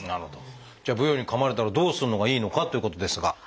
じゃあブヨにかまれたらどうするのがいいのかということですが。